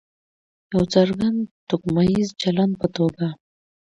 د یو څرګند توکمیز چلند په توګه.